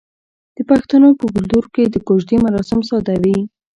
د پښتنو په کلتور کې د کوژدې مراسم ساده وي.